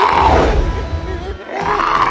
ketika dia menang mudah